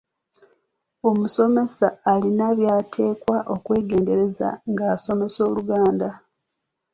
Omusomesa alina by’ateekwa okwegendereza ng’asomesa Oluganda.